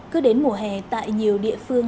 cứ đến mùa hè tại nhiều địa phương